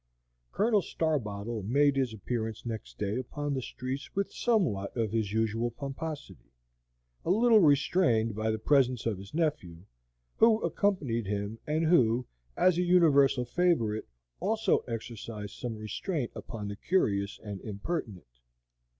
Colonel Starbottle made his appearance next day upon the streets with somewhat of his usual pomposity, a little restrained by the presence of his nephew, who accompanied him, and who, as a universal favorite, also exercised some restraint upon the curious and impertinent.